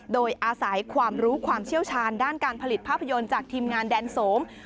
โดยอาศัยความรู้ความเชี่ยวชาญด้านการผลิตภาพยนตร์จากทีมงานแดนสม